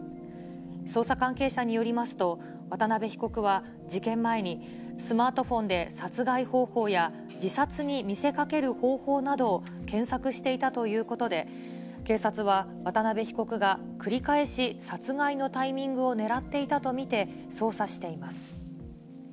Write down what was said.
捜査関係者によりますと、渡辺被告は、事件前にスマートフォンで殺害方法や自殺に見せかける方法などを検索していたということで、警察は、渡辺被告が繰り返し殺害のタイミングを狙っていたと見て、捜査しています。